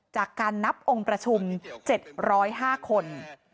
จากการนับองค์ประชุม๗๐๕คน